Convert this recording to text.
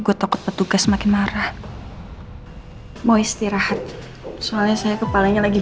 gue takut petugas makin marah mau istirahat soalnya saya kepalanya lagi